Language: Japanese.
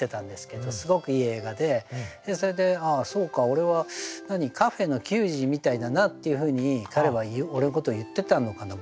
俺は何カフェの給仕みたいだなっていうふうに彼は俺のことを言ってたのかな